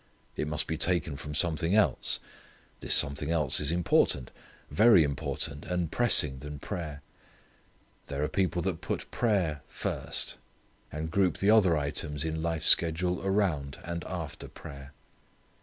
It must be taken from something else. This something else is important. Very important, and pressing than prayer. There are people that put prayer first, and group the other items in life's schedule around and after prayer.